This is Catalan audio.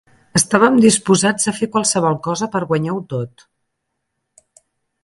Estàvem disposats a fer qualsevol cosa per guanyar-ho tot.